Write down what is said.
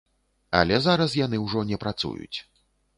Але зараз яны ўжо не працуюць.